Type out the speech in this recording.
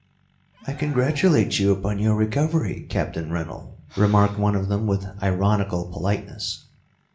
"I congratulate you upon your recovery, Captain Rennell," remarked one of them with ironical politeness.